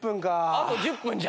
あと１０分じゃ。